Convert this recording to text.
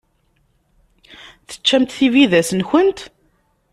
Teččamt tibidas-nkent?